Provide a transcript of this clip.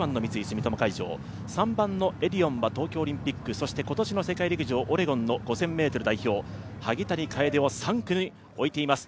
３番のエディオンは東京オリンピック、そして今年の世界陸上オレゴンの５０００ｍ代表、萩谷楓を３区に置いています。